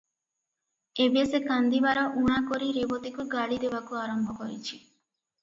ଏବେ ସେ କାନ୍ଦିବାର ଊଣା କରି ରେବତୀକୁ ଗାଳି ଦେବାକୁ ଆରମ୍ଭ କରିଛି ।